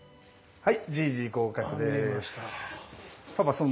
はい。